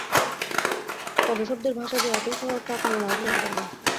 পদশব্দের ভাষা যে এতই সহজ তাহা কমলা আজও জানিতে পারে নাই।